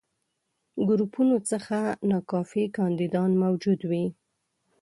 ګروپونو څخه ناکافي کانديدان موجود وي.